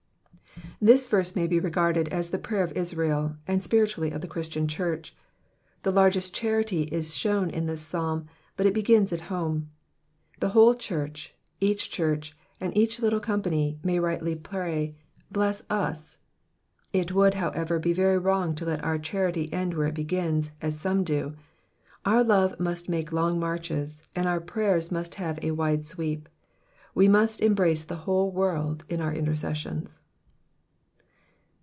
This verse may be regarded as the prayer of Israel, and spiritually of the Christian church. The largest charity is shown in this Psalm, but it begins at home. The whole church, each church, and each little company, may rightly pray, bless «*.*' It would, however, be very womg to let our charily end Digitized by VjOOQIC 206 EXPOSITIONS OP THE PSALICS. where it begins, as some do ; our love must make long marches, and our prayers must have a wide sweep, we must embrace the whole world in our intercessions.